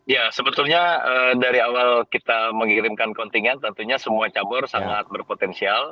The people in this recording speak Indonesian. ya sebetulnya dari awal kita mengirimkan kontingen tentunya semua cabur sangat berpotensial